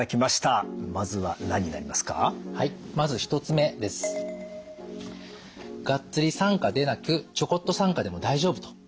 がっつり参加でなくちょこっと参加でも大丈夫と。